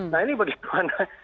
nah ini bagaimana